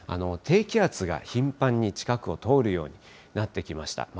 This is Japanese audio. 低気圧が頻繁に近くを通るようになってきました。